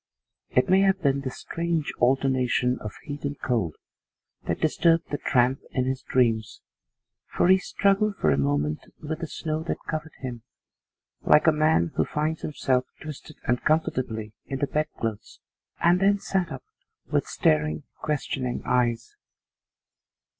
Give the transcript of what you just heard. It may have been this strange alternation of heat and cold that disturbed the tramp in his dreams, for he struggled for a moment with the snow that covered him, like a man who finds himself twisted uncomfortably in the bed clothes, and then sat up with staring, questioning eyes.